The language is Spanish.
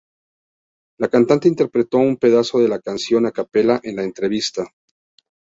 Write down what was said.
La cantante interpretó un pedazo de la canción a capella en la entrevista.